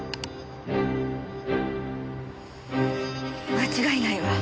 間違いないわ。